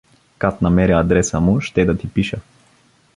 Кат намеря адреса му, ще да ти пиша.